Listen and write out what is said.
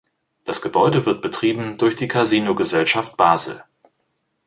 Das Gebäude wird betrieben durch die Casino-Gesellschaft Basel.